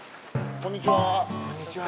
こんにちは。